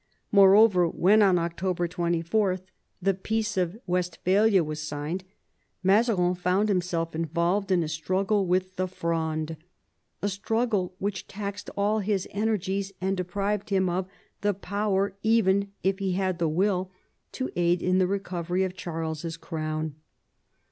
Moreover, when, on October 24, the Peace of Westphalia was signed, Mazarin found himself involved in a struggle with the Fronde — a struggle which taxed all his energies, and deprived him of " the power, even if he had the will, to aid in the recovery of Charles's crown."